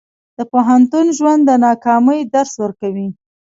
د پوهنتون ژوند د ناکامۍ درس ورکوي.